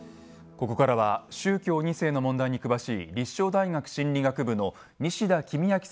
ここからは宗教２世の問題に詳しい立正大学心理学部の西田公昭さんにお話を伺います。